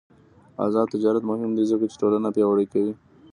آزاد تجارت مهم دی ځکه چې ټولنه پیاوړې کوي.